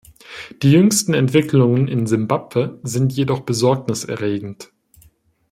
Die jüngsten Entwicklungen in Simbabwe sind jedoch besorgniserregend.